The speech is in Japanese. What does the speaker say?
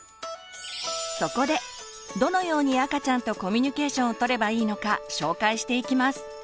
そこでどのように赤ちゃんとコミュニケーションをとればいいのか紹介していきます。